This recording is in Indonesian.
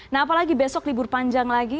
nah apalagi besok libur panjang lagi